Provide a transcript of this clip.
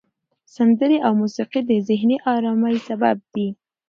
سندرې او موسیقي د ذهني آرامۍ سبب دي.